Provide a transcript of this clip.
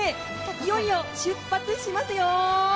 いよいよ出発しますよ！